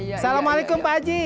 assalamualaikum pak ji